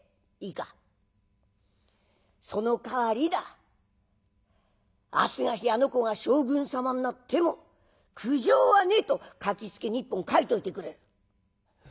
いいかそのかわりだ明日が日あの子が将軍様になっても苦情はねえと書きつけに一本書いといてくれ」。